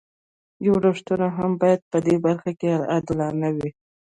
جوړښتونه هم باید په دې برخه کې عادلانه وي.